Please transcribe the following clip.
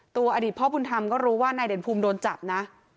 อดีตพ่อบุญธรรมก็รู้ว่านายเด่นภูมิโดนจับนะ